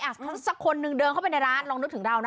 สักคนนึงเดินเข้าไปในร้านลองนึกถึงเรานะ